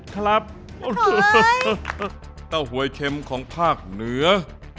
ครับเต้าหวยเข็มของภาคเหนือ